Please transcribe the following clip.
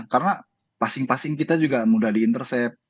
karena passing passing kita juga mudah di intercept